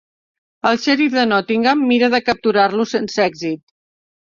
El xèrif de Nottingham mira de capturar-lo sense èxit.